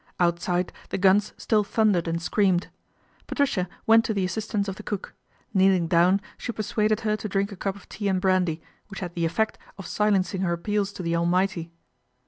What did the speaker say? Outside the guns still thundered and screamed Patricia went to the assistance of the cook; kneeling down she persuaded her to drink a cup of tea and brandy, which had the effect of silencing her appeals to the Almighty.